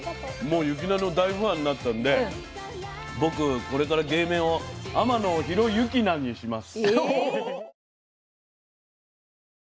もう雪菜の大ファンになったんで僕これから芸名を天野ひろ「ゆきな」にします。